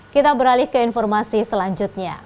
kita beralih ke informasi selanjutnya